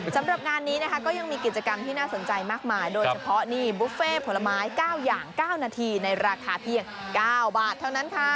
สำหรับงานนี้นะคะก็ยังมีกิจกรรมที่น่าสนใจมากมายโดยเฉพาะนี่บุฟเฟ่ผลไม้๙อย่าง๙นาทีในราคาเพียง๙บาทเท่านั้นค่ะ